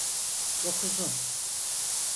Çok uzun.